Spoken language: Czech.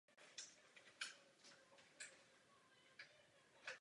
Hmyzí kousnutí riziko přenosu nepředstavuje.